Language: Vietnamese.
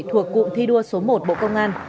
thuộc cụm thi đua số một bộ công an